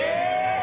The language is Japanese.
え！